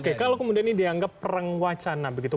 oke kalau kemudian ini dianggap perang wacana begitu